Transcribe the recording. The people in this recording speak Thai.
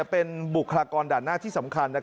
เป็นบุคลากรด่านหน้าที่สำคัญ